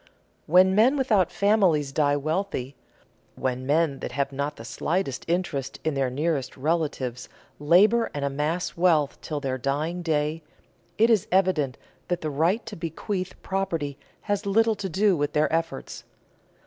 When men without families die wealthy, when men that have not the slightest interest in their nearest relatives labor and amass wealth till their dying day, it is evident that the right to bequeath property has little to do with their efforts.